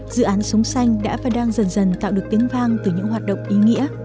dự án sống xanh đã và đang dần dần tạo được tiếng vang từ những hoạt động ý nghĩa